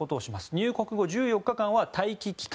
入国後、１４日間は待機期間。